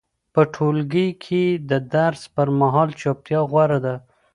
په ټولګي کې د درس پر مهال چوپتیا غوره ده.